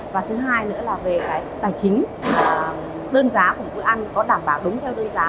và thứ hai nữa là về cái tài chính đơn giá của bữa ăn có đảm bảo đúng theo đơn giá